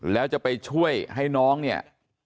แล้วจะไปช่วยให้น้องเนี่ย